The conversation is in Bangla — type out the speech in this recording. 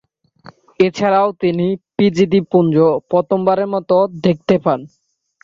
এছাড়াও তিনি ফিজি দ্বীপপুঞ্জ প্রথমবারের মত দেখতে পান।